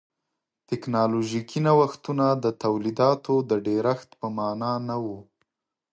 ټکنالوژیکي نوښتونه د تولیداتو د ډېرښت په معنا نه و.